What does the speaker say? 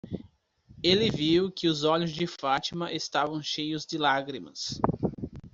Ele viu que os olhos de Fátima estavam cheios de lágrimas.